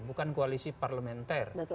bukan koalisi parlementer